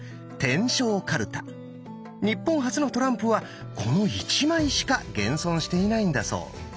日本初のトランプはこの１枚しか現存していないんだそう。